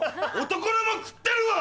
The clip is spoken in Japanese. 男のも食ってるわ！